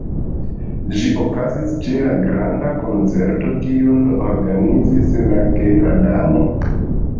Ĝi okazis ĉe la granda koncerto kiun organizis la Kera Damo.